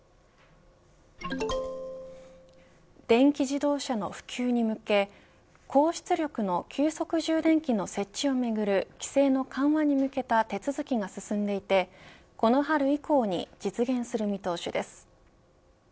電気自動車の普及に向け高出力の急速充電器の設置をめぐる規制の緩和に向けた手続きが進んでいてこの春以降に実現する見通しです。